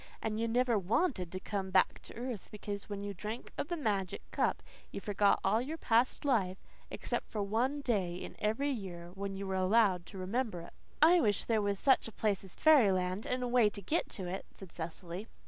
And you never WANTED to come back to earth, because when you drank of the magic cup you forgot all your past life, except for one day in every year when you were allowed to remember it." "I wish there was such a place as fairyland and a way to get to it," said Cecily.